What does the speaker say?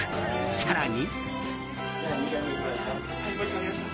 更に。